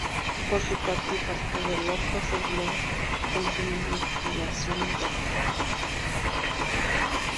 Por su parte el partido de Loja seguirá con su misma configuración interna.